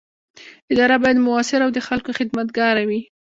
اداره باید مؤثره او د خلکو خدمتګاره وي.